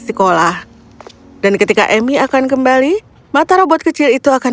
sekolah dan ketika emy akan kembali mata robot kecil itu akan